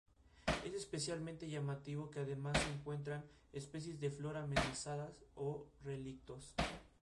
Es especialmente llamativo que además se encuentran especies de flora amenazadas o relictos.